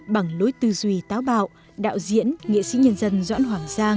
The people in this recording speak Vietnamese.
bằng lối tư duy táo bạo đạo diễn nghệ sĩ nhân dân doãn hoàng giang